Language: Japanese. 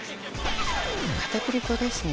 片栗粉ですね。